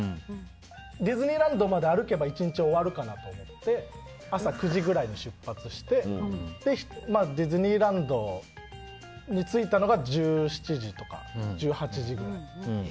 ディズニーランドまで歩けば１日終わるかなと思って朝９時くらいに出発してディズニーランドに着いたのが１７時とか１８時くらい。